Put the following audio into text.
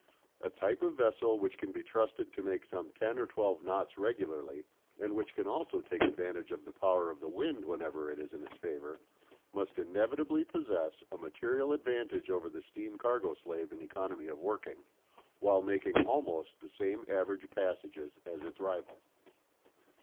A type of vessel which can be trusted to make some ten or twelve knots regularly, and which can also take advantage of the power of the wind whenever it is in its favour, must inevitably possess a material advantage over the steam cargo slave in economy of working, while making almost the same average passages as its rival.